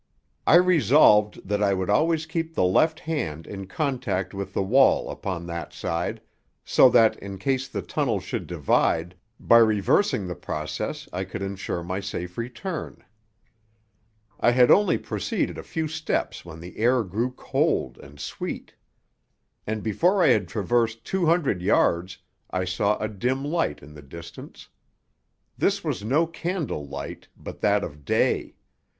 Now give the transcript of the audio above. I resolved that I would always keep the left hand in contact with the wall upon that side, so that, in case the tunnel should divide, by reversing the process I could ensure my safe return. I had only proceeded a few steps when the air grew cold and sweet. And before I had traversed two hundred yards I saw a dim light in the distance. This was no candle light, but that of day.